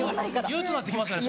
憂鬱なってきますよね